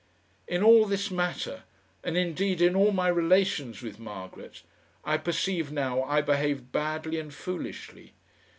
In all this matter, and, indeed, in all my relations with Margaret, I perceive now I behaved badly and foolishly.